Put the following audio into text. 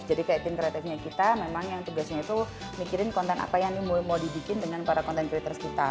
jadi kayak tim kreatifnya kita memang yang tugasnya itu mikirin konten apa yang mau dibikin dengan para content creators kita